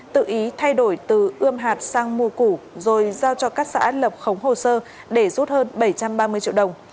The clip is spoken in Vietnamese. tự ý thay đổi từ ươm hạt sang mua củ rồi giao cho các xã lập khống hồ sơ để rút hơn bảy trăm ba mươi triệu đồng